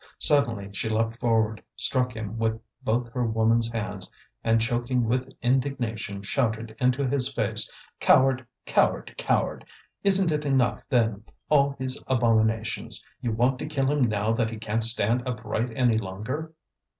Suddenly she leapt forward, struck him with both her woman's hands, and choking with indignation shouted into his face: "Coward! coward! coward! Isn't it enough, then, all these abominations? You want to kill him now that he can't stand upright any longer!"